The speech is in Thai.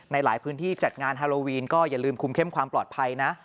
หลายพื้นที่จัดงานฮาโลวีนก็อย่าลืมคุมเข้มความปลอดภัยนะ